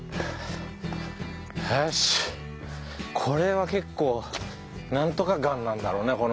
これは結構なんとか岩なんだろうね